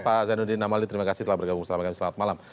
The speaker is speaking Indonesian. pak zainuddin amali terima kasih telah bergabung bersama kami selamat malam